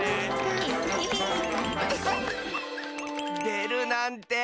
でるなんて！